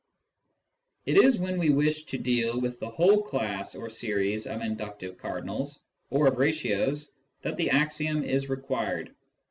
It is when we wish to deal with the whole class or series of inductive cardinals or of ratios that the axiom is required.